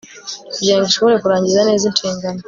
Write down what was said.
Kugira ngo ishobore kurangiza neza inshingano